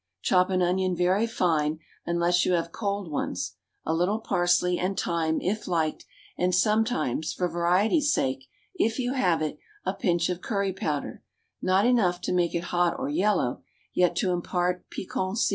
Chop an onion very fine, unless you have cold ones, a little parsley and thyme, if liked, and sometimes, for variety's sake, if you have it, a pinch of curry powder, not enough to make it hot or yellow, yet to impart piquancy.